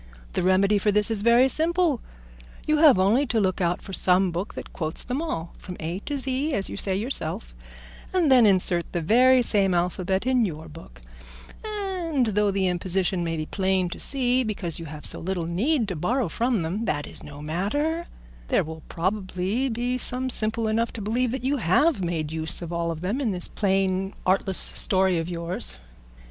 The remedy for this is very simple: You have only to look out for some book that quotes them all, from A to Z as you say yourself, and then insert the very same alphabet in your book, and though the imposition may be plain to see, because you have so little need to borrow from them, that is no matter; there will probably be some simple enough to believe that you have made use of them all in this plain, artless story of yours.